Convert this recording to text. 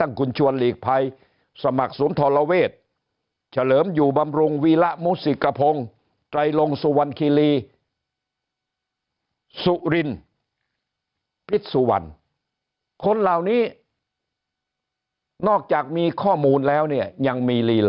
ทั่งคุณชวนภายสมัครสมธารเวทเชลิมอยู่บำรุงวีระมุสิกปอง